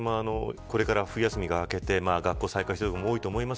これから冬休みが明けて学校再開する方も多いと思います。